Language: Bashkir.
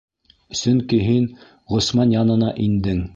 Сөнки һин Ғосман янына индең!